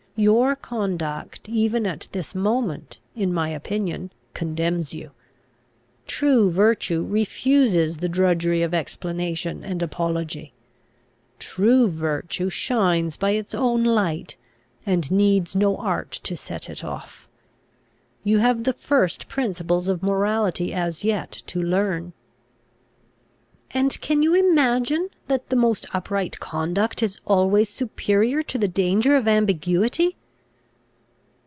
Your conduct even at this moment, in my opinion, condemns you. True virtue refuses the drudgery of explanation and apology. True virtue shines by its own light, and needs no art to set it off. You have the first principles of morality as yet to learn." "And can you imagine, that the most upright conduct is always superior to the danger of ambiguity?"